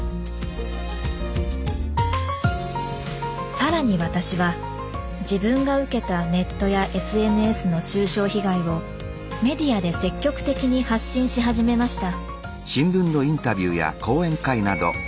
更に私は自分が受けたネットやＳＮＳの中傷被害をメディアで積極的に発信し始めました。